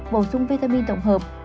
ba bổ sung vitamin tổng hợp